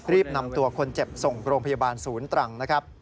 รีบนำตัวคนเจ็บส่งโรงพยาบาลศูนย์ตรังนะครับ